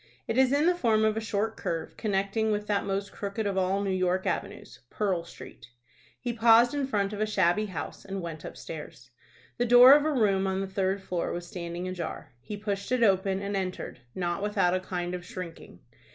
It is in the form of a short curve, connecting with that most crooked of all New York avenues, Pearl Street. He paused in front of a shabby house, and went upstairs. The door of a room on the third floor was standing ajar. He pushed it open, and entered, not without a kind of shrinking.